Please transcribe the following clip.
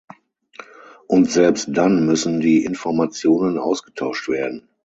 Und selbst dann müssen die Informationen ausgetauscht werden.